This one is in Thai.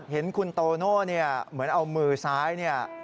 เห็นคุณโตโน่เหมือนเอามือซ้าย